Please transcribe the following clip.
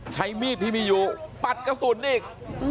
ใช้มีดที่มีอยู่ปัดกระสุนอีก